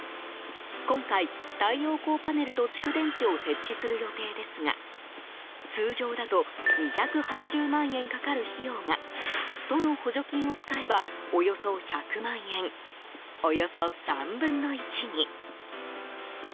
今回、太陽光パネルと蓄電池を設置する予定ですが通常だと２８０万円かかる費用が都の補助金を使えばおよそ１００万円およそ３分の１に。